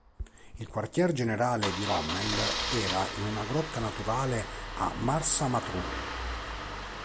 Il quartier generale di Rommel era in una grotta naturale a Marsa Matruh.